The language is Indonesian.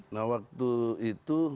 nah waktu itu